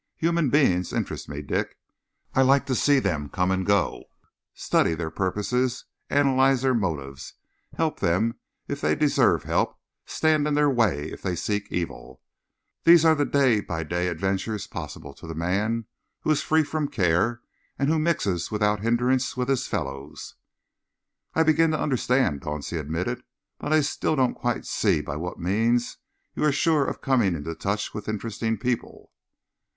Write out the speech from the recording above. Human beings interest me, Dick. I like to see them come and go, study their purposes, analyse their motives, help them if they deserve help, stand in their way if they seek evil. These are the day by day adventures possible to the man who is free from care, and who mixes without hindrance with his fellows." "I begin to understand," Dauncey admitted, "but I still don't quite see by what means you are sure of coming into touch with interesting people."